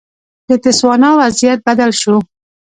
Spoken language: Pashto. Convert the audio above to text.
د تسوانا وضعیت بدل شو.